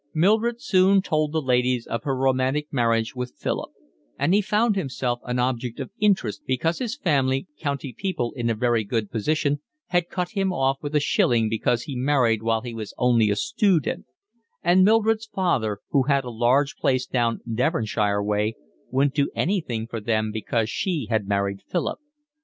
Mildred soon told the ladies of her romantic marriage with Philip; and he found himself an object of interest because his family, county people in a very good position, had cut him off with a shilling because he married while he was only a stoodent; and Mildred's father, who had a large place down Devonshire way, wouldn't do anything for them because she had married Philip.